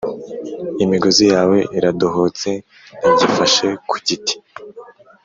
Imigozi yawe iradohotse, ntigifashe ku giti,